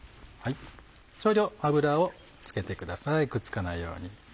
少量油を付けてくださいくっつかないように。